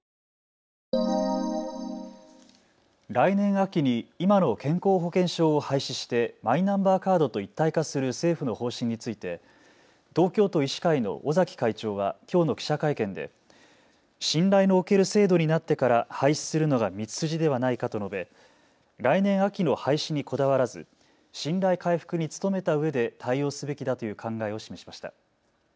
来年秋に今の保険証を廃止してマイナンバーカードと一体化する政府の方針について東京都医師会の尾崎会長はきょうの記者会見で信頼のおける制度になってから廃止するのが道筋ではないかと述べ来年秋の廃止にこだわらず信頼回復に努めたうえで対応すべきだという考えを示しました。